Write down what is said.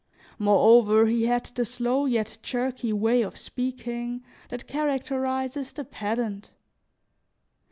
Moreover, he had the slow yet jerky way of speaking that characterizes the pedant.